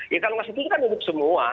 ya kalau masih tinggi kan hidup semua